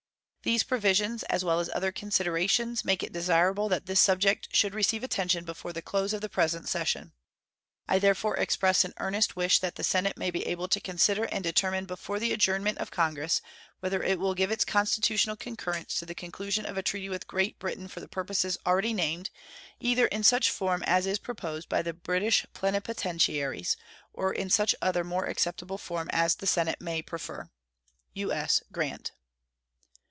These provisions, as well as other considerations, make it desirable that this subject should receive attention before the close of the present session. I therefore express an earnest wish that the Senate may be able to consider and determine before the adjournment of Congress whether it will give its constitutional concurrence to the conclusion of a treaty with Great Britain for the purposes already named, either in such form as is proposed by the British plenipotentiaries or in such other more acceptable form as the Senate may prefer. U.S. GRANT.